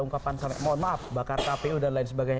ungkapan mohon maaf bakar kpu dan lain sebagainya